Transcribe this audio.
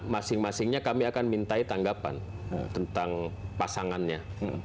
masing masingnya kami akan mintai tanggapan tentang pasangannya